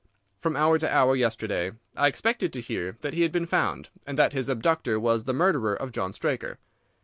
From hour to hour yesterday I expected to hear that he had been found, and that his abductor was the murderer of John Straker.